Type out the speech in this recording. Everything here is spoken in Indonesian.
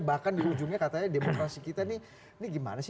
bahkan di ujungnya katanya demokrasi kita ini gimana sih